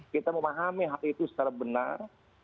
kita memahami hal itu secara benar